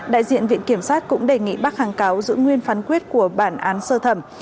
đại diện viện kiểm sát cũng đề nghị bác kháng cáo giữ nguyên phán quyết của bản án sơ thẩm